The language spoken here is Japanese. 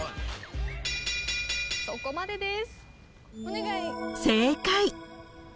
そこまでです。